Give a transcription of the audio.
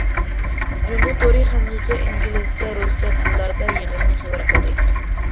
جۇڭگو تورى خەنزۇچە، ئىنگلىزچە، رۇسچە تىللاردا يىغىننى خەۋەر قىلدى.